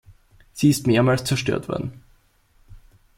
Sie ist mehrmals zerstört worden.